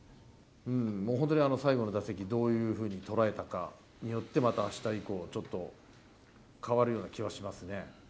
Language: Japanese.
もう本当に最後の打席、どういうふうに捉えたかによって、またあした以降、ちょっと、変わるような気がしますね。